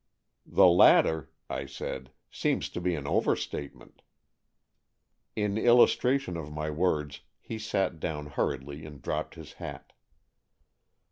" The latter," I said, " seems to be an over statement." In illustration of my words, he sat down hurriedly and dropped his hat.